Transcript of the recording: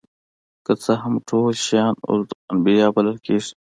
که څه هم ټول شام ارض الانبیاء بلل کیږي.